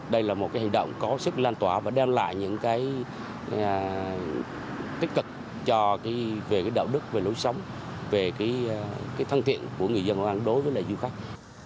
đây là một cái hành động có sức lan tỏa và đem lại những cái tích cực về cái đạo đức về lối sống về cái thân thiện của người dân hội an đối với lại du khách